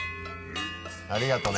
ありがとうね。